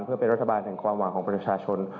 เพื่อเป็นรัฐบาลแห่งความหวังของประชาชน